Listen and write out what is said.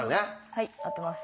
はい合ってます。